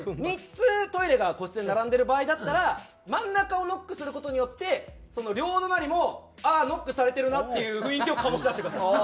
３つトイレが個室で並んでる場合だったら真ん中をノックする事によってその両隣もあっノックされてるなっていう雰囲気を醸し出してください。